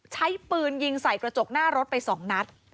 ใช้ปืนยิงใส่กระจกหน้ารถไป๒นัด